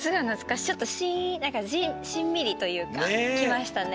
ちょっとしんみりというかきましたね。